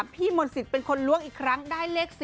พี่มนต์สิทธิ์เป็นคนล้วงอีกครั้งได้เลข๔